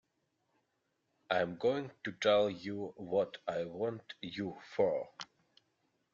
I'm going to tell you what I want you for.